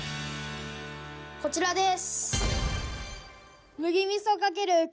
こちらです。